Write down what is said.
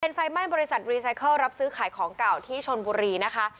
เป็นไฟไหม้บริษัทรีไซเคิลรับซื้อขายของเก่าที่ชนบุรีนะคะ